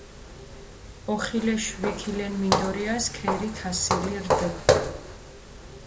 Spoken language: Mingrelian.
ოხილეშ ვიქილენ მინდორიას ქერი თასილი რდჷ.